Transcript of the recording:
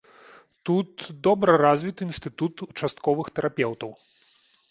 Тут добра развіты інстытут участковых тэрапеўтаў.